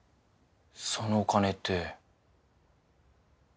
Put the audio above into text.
そのお金って。